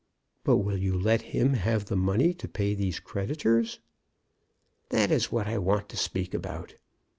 "But will you let him have the money to pay these creditors?" "That is what I want to speak about.